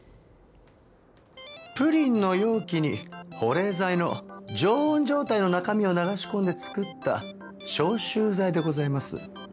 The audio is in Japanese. プリンの容器に保冷剤の常温状態の中身を流し込んで作った消臭剤でございます。